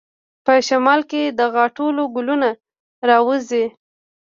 په شمال کې د غاټول ګلونه راوځي.